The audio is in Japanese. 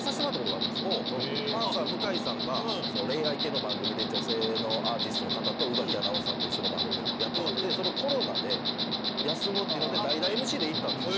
パンサー向井さんが恋愛系の番組で女性のアーティストの方と宇垣アナウンサーと一緒の番組をやってはってそれをコロナで休むっていうので代打ＭＣで行ったんですよ。